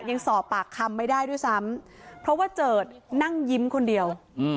ยังสอบปากคำไม่ได้ด้วยซ้ำเพราะว่าเจิดนั่งยิ้มคนเดียว